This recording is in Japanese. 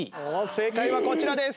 正解はこちらです。